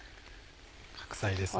白菜ですね。